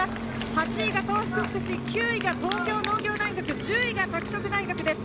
８位が東北福祉、９位が東京農業大学、１０位が拓殖大学です。